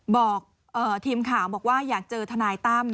บอกทีมข่าวบอกว่าอยากเจอทนายตั้ม